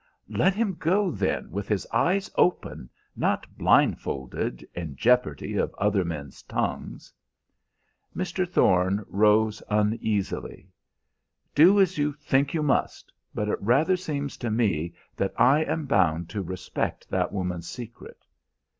"Let him go, then, with his eyes open, not blindfold, in jeopardy of other men's tongues." Mr. Thorne rose uneasily. "Do as you think you must; but it rather seems to me that I am bound to respect that woman's secret."